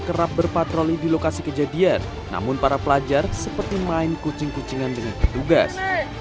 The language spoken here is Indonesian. kerap berpatroli di lokasi kejadian namun para pelajar seperti main kucing kucingan dengan petugas